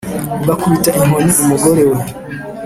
Ugakubita ikoni umugore we